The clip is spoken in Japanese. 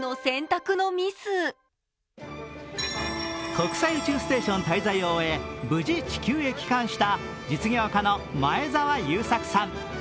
国際宇宙ステーション滞在を終え無事、地球へ帰還した実業家の前澤友作さん。